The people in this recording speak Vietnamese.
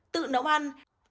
tự nấu ăn